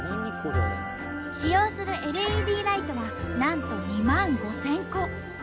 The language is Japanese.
使用するＬＥＤライトはなんと２万５，０００個！